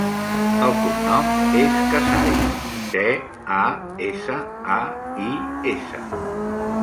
El cognom és Casais: ce, a, essa, a, i, essa.